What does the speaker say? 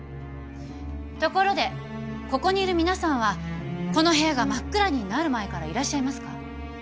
ところでここにいる皆さんはこの部屋が真っ暗になる前からいらっしゃいますか？